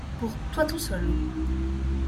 Pour toi tout seul.